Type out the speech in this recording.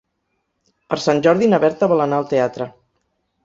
Per Sant Jordi na Berta vol anar al teatre.